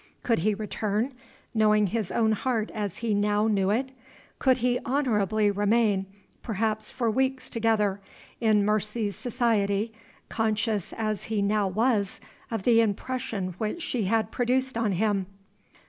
Could he return, knowing his own heart as he now knew it? Could he honorably remain, perhaps for weeks together, in Mercy's society, conscious as he now was of the impression which she had produced on him?